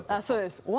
そうです。